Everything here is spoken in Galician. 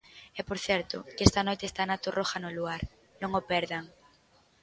E por certo, que esta noite está Ana Torroja no 'Luar', non o perdan!